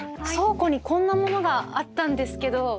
倉庫にこんなものがあったんですけど。